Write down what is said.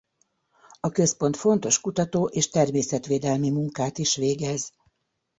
A központ fontos kutató és természetvédelmi munkát is végez.